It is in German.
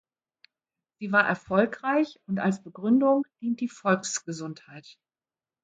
Sie war erfolgreich, und als Begründung dient die Volksgesundheit.